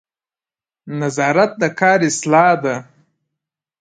نظارت د کار اصلاح ده